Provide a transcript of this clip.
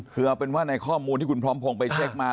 คือเอาเป็นว่าในข้อมูลที่คุณพร้อมพงศ์ไปเช็คมา